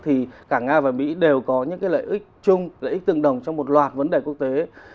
thì cả nga và mỹ đều có những cái lợi ích chung lợi ích tương đồng trong một loạt vấn đề quốc tế